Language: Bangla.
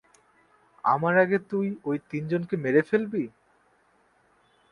আমার আগে তুই ওই তিনজনকে মেরে ফেলবি?